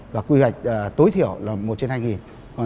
và quy hoạch tối thiểu là một trên hai nghìn